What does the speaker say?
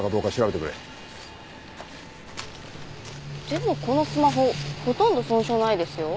でもこのスマホほとんど損傷ないですよ。